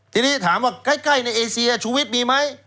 ทีนี้ถามว่าใกล้ในเอเซียชูวิทย์มีไหม